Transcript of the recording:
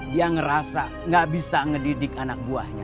dia ngerasa gak bisa ngedidik anak buahnya